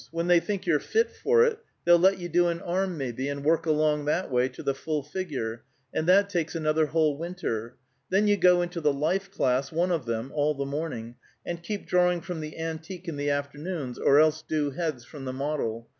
When they think you're fit for it, they'll let you do an arm, maybe, and work along that way to the full figure; and that takes another whole winter. Then you go into the life class, one of them, all the morning, and keep drawing from the antique in the afternoons, or else do heads from the model.